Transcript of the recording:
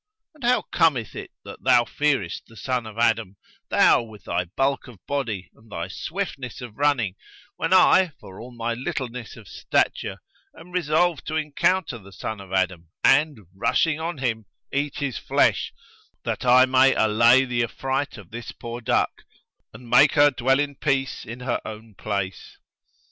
And how cometh it that thou fearest the son of Adam, thou, with thy bulk of body and thy swiftness of running when I, for all my littleness of stature am resolved to encounter the son of Adam and, rushing on him, eat his flesh, that I may allay the affright of this poor duck and make her dwell in peace in her own place?